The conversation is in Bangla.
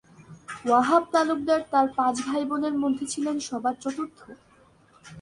ওয়াহাব তালুকদার তার পাঁচ ভাইবোনের মধ্যে ছিলেন সবার চতুর্থ।